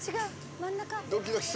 真ん中。